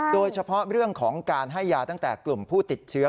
โดยเฉพาะเรื่องของการให้ยาตั้งแต่กลุ่มผู้ติดเชื้อ